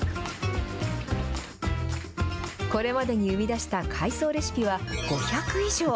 これまでに生み出した海藻レシピは５００以上。